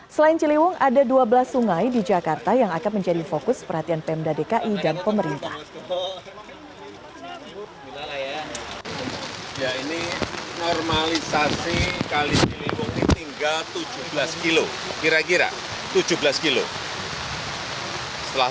selain ciliwung ada dua belas sungai di jakarta yang akan menjadi fokus perhatian pemda dki dan pemerintah